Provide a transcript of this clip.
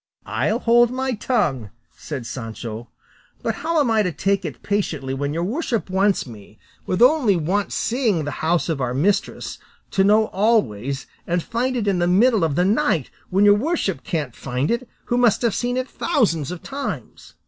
"I'll hold my tongue," said Sancho, "but how am I to take it patiently when your worship wants me, with only once seeing the house of our mistress, to know always, and find it in the middle of the night, when your worship can't find it, who must have seen it thousands of times?"